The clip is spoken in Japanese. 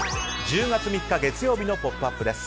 １０月３日、月曜日の「ポップＵＰ！」です。